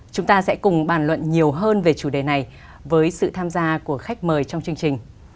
chúng ta sẽ cùng bàn luận nhiều hơn về chủ đề này với sự tham gia của khách mời trong chương trình